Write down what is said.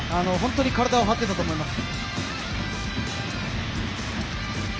体を張っていたと思います。